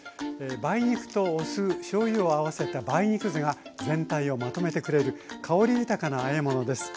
梅肉とお酢しょうゆを合わせた梅肉酢が全体をまとめてくれる香り豊かなあえ物です。